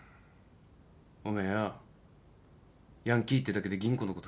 おめえよヤンキーってだけで吟子のこと嫌いになったか？